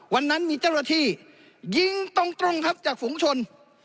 วันนั้นมีเจ้าหน้าที่ยิงตรงครับจากฝูงชน